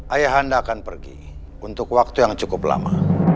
ayah anda akan pergi untuk waktu yang cukup lama